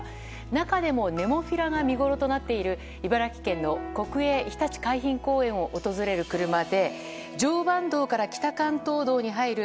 中でもネモフィラが見ごろとなっている茨城県の国営ひたち海浜公園を訪れる車で常磐道から北関東道に入る